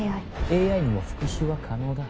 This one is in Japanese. ＡＩにも復讐は可能だ。